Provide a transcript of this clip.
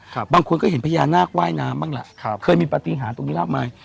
บางคนก็เห็นพญานาคว่ายน้ำบ้างล่ะครับเคยมีปฏิหารตรงนี้มากมาย